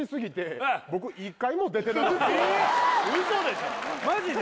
あのウソでしょマジで？